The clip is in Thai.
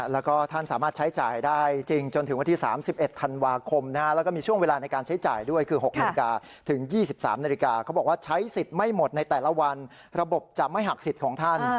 แล้วก็ท่านสามารถใช้จ่ายได้จริงจนถึงวันที่๓๑ธันวาคมแล้วก็มีช่วงเวลาในการใช้จ่ายด้วยคือ๖นาฬิกาถึง๒๓นาฬิกาเขาบอกว่าใช้สิทธิ์ไม่หมดในแต่ละวันระบบจะไม่หักสิทธิ์ของท่าน